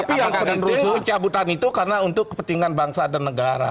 tapi yang penting pencabutan itu karena untuk kepentingan bangsa dan negara